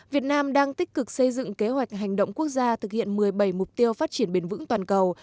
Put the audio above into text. việt nam đang tích cực xây dựng kế hoạch hành động quốc gia thực hiện một mươi bảy mục tiêu phát triển bền vững toàn cầu